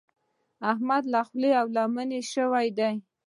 احمد له خولې له لمنې شوی دی.